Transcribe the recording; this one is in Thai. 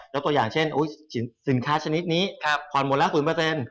ตัวอย่างเช่นสินค้าชนิดนี้ผ่อนหมดแล้ว๐